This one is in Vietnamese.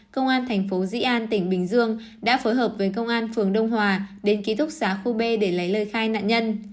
công an tp di an tỉnh bình dương đã phối hợp với công an phường đông hòa đến ký túc xá khu b để lấy lời khai nạn nhân